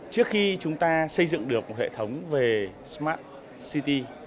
trước khi chúng ta xây dựng được một hệ thống về smart city